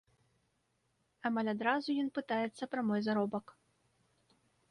Амаль адразу ён пытаецца пра мой заробак.